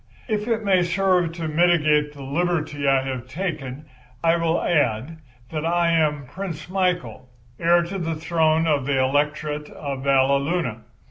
If it may serve to mitigate the liberty I have taken I will add that I am Prince Michael, heir to the throne of the Electorate of Valleluna.